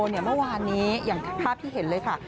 เมื่อวานนี้อย่างภาพที่เห็นเลยค่ะ